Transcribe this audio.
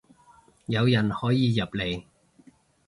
有人可以入嚟